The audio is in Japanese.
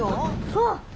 あっ！